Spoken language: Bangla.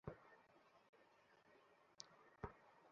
ছেলেগুলো সাথে দেখার জন্যে তারা প্রোফাইল পাঠিয়েছে।